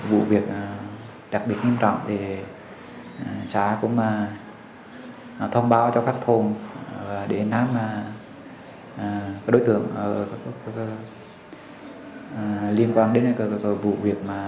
huyện sơn hà thông báo cho các thôn để nám đối tượng liên quan đến vụ việc